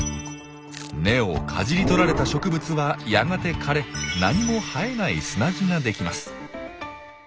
根をかじり取られた植物はやがて枯れ何も生えない砂地ができます。